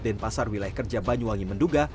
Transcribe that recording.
di pasar wilayah kerja banyuwangi menduga